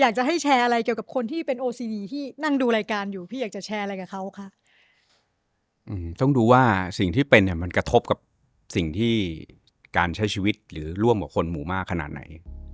การใช้ชีวิตร่วมกว่าคนหมู่มากขนาดไหน